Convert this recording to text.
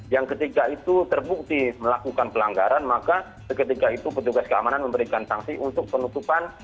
yang ketika itu terbukti melakukan pelanggaran maka ketika itu petugas keamanan memberikan sanksi untuk penutupan